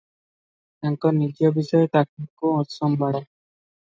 ତାଙ୍କ ନିଜ ବିଷୟ ତାଙ୍କୁ ଅସମ୍ଭାଳ ।